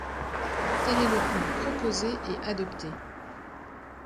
Tel est le plan proposé et adopté.